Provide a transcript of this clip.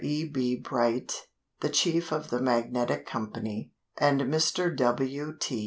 B. Bright, the chief of the "Magnetic" Company; and Mr. W. T.